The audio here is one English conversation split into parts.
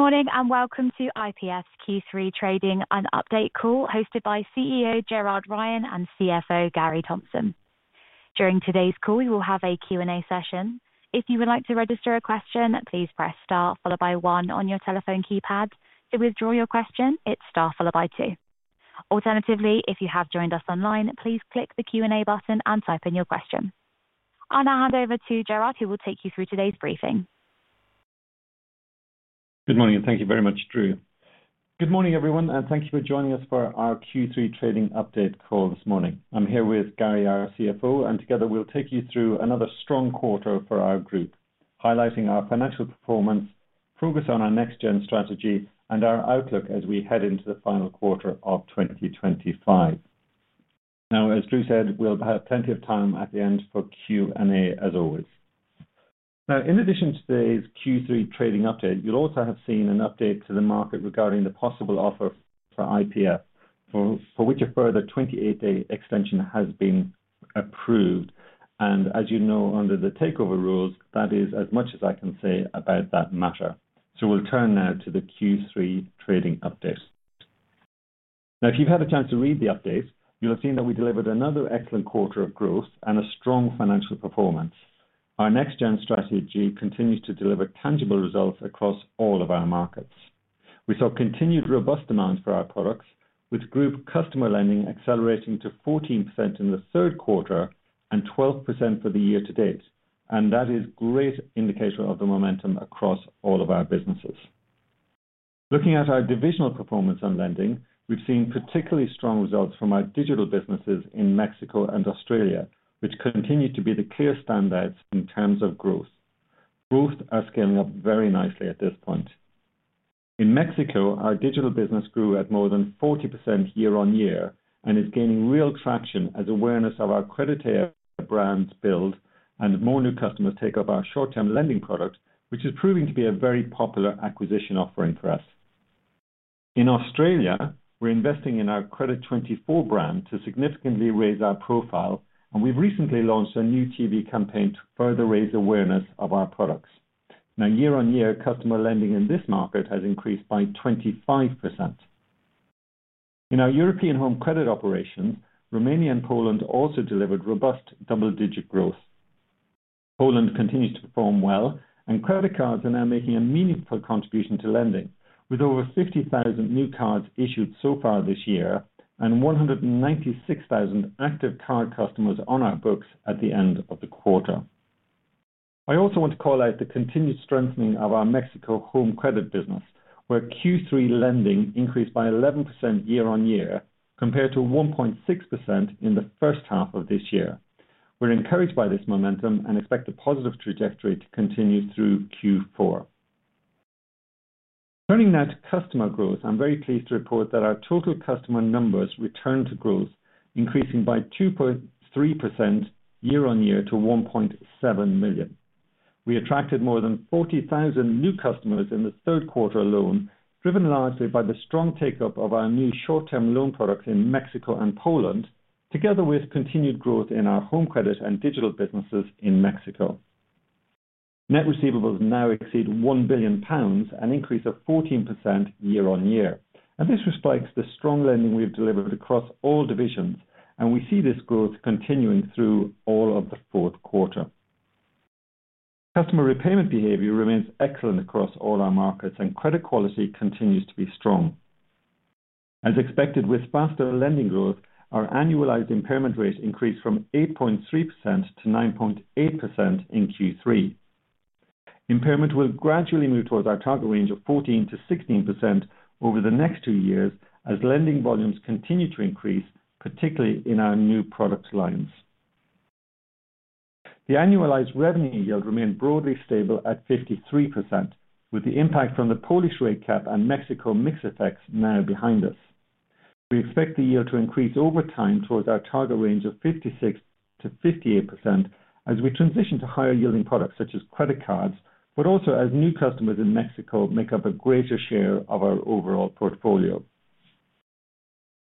Good morning and welcome to IPF's Q3 trading update call hosted by CEO Gerard Ryan and CFO Gary Thompson. During today's call, we will have a Q&A session. If you would like to register a question, please press star followed by one on your telephone keypad. To withdraw your question, it's star followed by two. Alternatively, if you have joined us online, please click the Q&A button and type in your question. I'll now hand over to Gerard, who will take you through today's briefing. Good morning and thank you very much, Drew. Good morning everyone, and thank you for joining us for our Q3 trading update call this morning. I'm here with Gary, our CFO, and together we'll take you through another strong quarter for our group, highlighting our financial performance, focus on our next-gen strategy, and our outlook as we head into the final quarter of 2025. As Drew said, we'll have plenty of time at the end for Q&A, as always. In addition to today's Q3 trading update, you'll also have seen an update to the market regarding the possible offer for IPA, for which a further 28-day extension has been approved. As you know, under the takeover rules, that is as much as I can say about that matter. We'll turn now to the Q3 trading updates. If you've had a chance to read the updates, you'll have seen that we delivered another excellent quarter of growth and a strong financial performance. Our next-gen strategy continues to deliver tangible results across all of our markets. We saw continued robust demand for our products, with group customer lending accelerating to 14% in the third quarter and 12% for the year to date. That is a great indicator of the momentum across all of our businesses. Looking at our divisional performance on lending, we've seen particularly strong results from our digital businesses in Mexico and Australia, which continue to be the clear standards in terms of growth. Both are scaling up very nicely at this point. In Mexico, our digital business grew at more than 40% year-on-year and is gaining real traction as awareness of our Creditea brands builds and more new customers take up our short-term lending product, which is proving to be a very popular acquisition offering for us. In Australia, we're investing in our Credit24 brand to significantly raise our profile, and we've recently launched a new TV campaign to further raise awareness of our products. Year-on-year, customer lending in this market has increased by 25%. In our European home credit operations, Romania and Poland also delivered robust double-digit growth. Poland continues to perform well, and credit cards are now making a meaningful contribution to lending, with over 50,000 new cards issued so far this year and 196,000 active card customers on our books at the end of the quarter. I also want to call out the continued strengthening of our Mexico home credit business, where Q3 lending increased by 11% year-on-year compared to 1.6% in the first half of this year. We're encouraged by this momentum and expect a positive trajectory to continue through Q4. Turning now to customer growth, I'm very pleased to report that our total customer numbers returned to growth, increasing by 2.3% year-on-year to 1.7 million. We attracted more than 40,000 new customers in the third quarter alone, driven largely by the strong take-up of our new short-term loan products in Mexico and Poland, together with continued growth in our home credit and digital businesses in Mexico. Net receivables now exceed 1 billion pounds, an increase of 14% year-on-year. This reflects the strong lending we've delivered across all divisions, and we see this growth continuing through all of the fourth quarter. Customer repayment behavior remains excellent across all our markets, and credit quality continues to be strong. As expected, with faster lending growth, our annualized impairment rate increased from 8.3%-9.8% in Q3. Impairment will gradually move towards our target range of 14%-16% over the next two years as lending volumes continue to increase, particularly in our new product lines. The annualized revenue yield remained broadly stable at 53%, with the impact from the Polish rate cap and Mexico mix effects now behind us. We expect the yield to increase over time towards our target range of 56%-58% as we transition to higher-yielding products such as credit cards, but also as new customers in Mexico make up a greater share of our overall portfolio.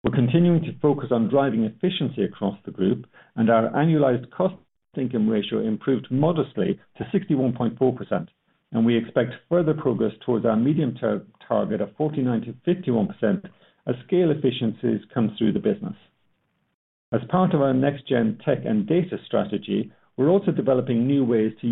We're continuing to focus on driving efficiency across the group, and our annualized cost-to-income ratio improved modestly to 61.4%. We expect further progress towards our medium-term target of 49% to 51% as scale efficiencies come through the business. As part of our next-gen tech and data strategy, we're also developing new ways to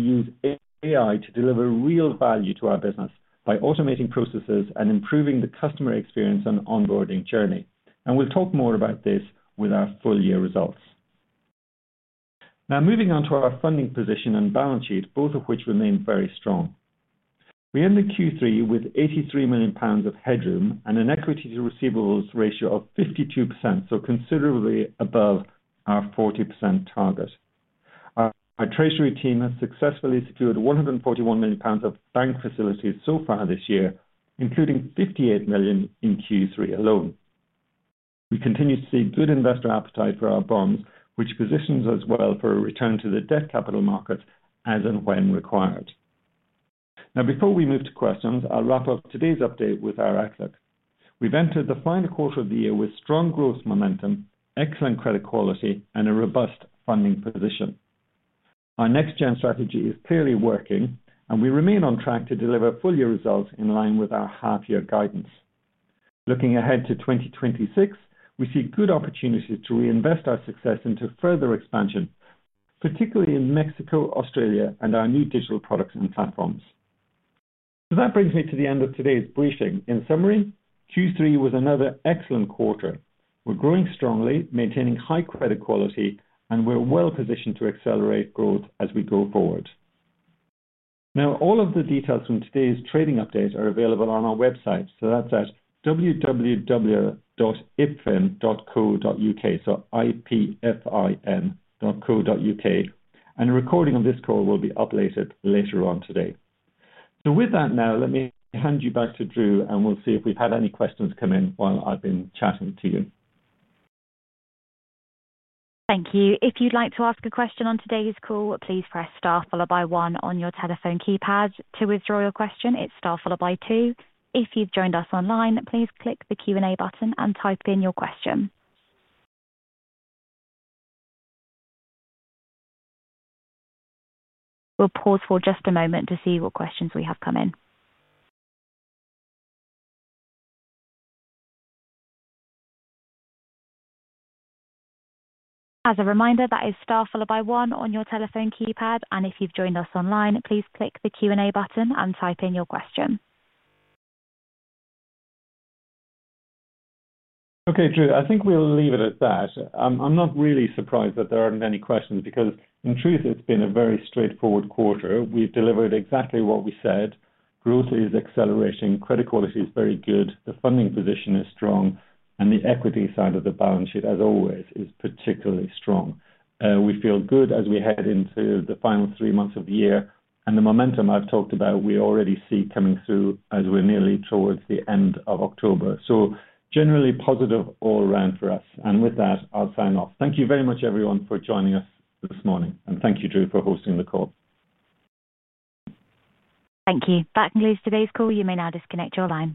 use AI to deliver real value to our business by automating processes and improving the customer experience and onboarding journey. We'll talk more about this with our full-year results. Now, moving on to our funding position and balance sheet, both of which remain very strong. We ended Q3 with 83 million pounds of headroom and an equity-to-receivables ratio of 52%, so considerably above our 40% target. Our treasury team has successfully secured 141 million pounds of bank facilities so far this year, including 58 million in Q3 alone. We continue to see good investor appetite for our bonds, which positions us well for a return to the debt capital markets as and when required. Now, before we move to questions, I'll wrap up today's update with our outlook. We've entered the final quarter of the year with strong growth momentum, excellent credit quality, and a robust funding position. Our next-gen strategy is clearly working, and we remain on track to deliver full-year results in line with our half-year guidance. Looking ahead to 2026, we see good opportunities to reinvest our success into further expansion, particularly in Mexico, Australia, and our new digital products and platforms. That brings me to the end of today's briefing. In summary, Q3 was another excellent quarter. We're growing strongly, maintaining high credit quality, and we're well-positioned to accelerate growth as we go forward. All of the details from today's trading update are available on our website at www.ipfin.co.uk, so I-P-F-I-N dot co.uk. A recording of this call will be uploaded later on today. With that now, let me hand you back to Drew, and we'll see if we've had any questions come in while I've been chatting to you. Thank you. If you'd like to ask a question on today's call, please press star followed by one on your telephone keypad. To withdraw your question, it's star followed by two. If you've joined us online, please click the Q&A button and type in your question. We'll pause for just a moment to see what questions we have come in. As a reminder, that is star followed by 1 on your telephone keypad. If you've joined us online, please click the Q&A button and type in your question. Okay, Drew, I think we'll leave it at that. I'm not really surprised that there aren't any questions because, in truth, it's been a very straightforward quarter. We've delivered exactly what we said. Growth is accelerating, credit quality is very good, the funding position is strong, and the equity side of the balance sheet, as always, is particularly strong. We feel good as we head into the final three months of the year, and the momentum I've talked about, we already see coming through as we're nearly towards the end of October. Generally positive all around for us. With that, I'll sign off. Thank you very much, everyone, for joining us this morning. Thank you, Drew, for hosting the call. Thank you. That concludes today's call. You may now disconnect your line.